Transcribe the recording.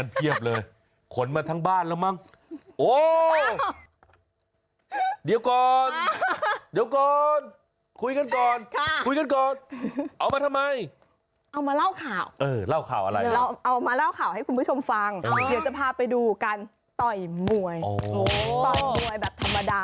เดี๋ยวแต่คุณผู้ชมกระจ่ายแผนสายตาพิฆาตของน้องใบตรประติกคุณคุณชนะ